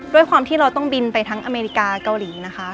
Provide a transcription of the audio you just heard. ด้วยความที่เราต้องบินไปทั้งอเมริกาเกาหลีนะคะ